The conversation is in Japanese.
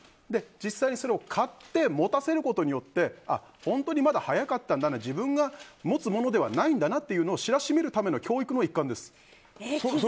実際にそれを買って持たせることによって本当にまだ早かったんだなと自分が持つものではないんだなというのを気づきますか？